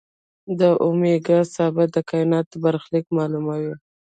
د اومېګا ثابت د کائنات برخلیک معلوموي.